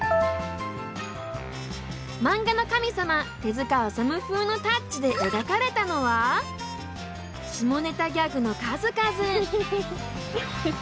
漫画の神様手塚治虫風のタッチで描かれたのは下ネタギャグの数々。